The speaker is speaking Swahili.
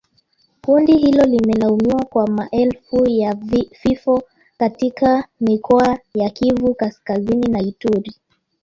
Kundi hilo limelaumiwa kwa maelfu ya vifo katika mikoa ya Kivu Kaskazini na Ituri